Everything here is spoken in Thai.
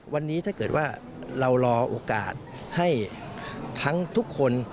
วันนี้ถ้าเกิดว่าเรารอโอกาสให้ทั้งทุกคน